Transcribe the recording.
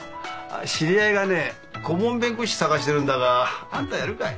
知り合いがね顧問弁護士探してるんだがアンタやるかい？